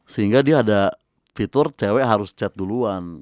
sehingga dia ada fitur cewek harus chat duluan